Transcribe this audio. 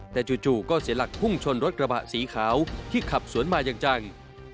แต่จู่ก็เสียหลักพุ่งชนรถกระบะสีขาวที่ขับสวนมาอย่างจัง